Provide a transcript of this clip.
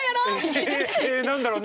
何だろう？